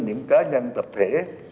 những cá nhân tập thể